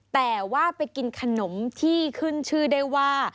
แต่ว่าไปกินขนมที่ขึ้นชื่อได้ว่า